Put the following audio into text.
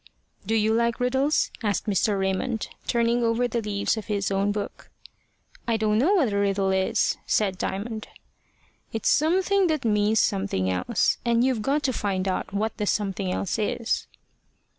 "Do you like riddles?" asked Mr. Raymond, turning over the leaves of his own book. "I don't know what a riddle is," said Diamond. "It's something that means something else, and you've got to find out what the something else is."